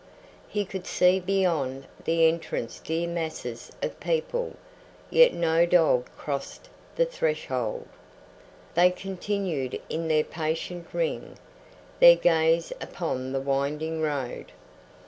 He could see beyond the entrance dear masses of people, yet no dog crossed the threshold. They continued in their patient ring, their gaze upon the winding road.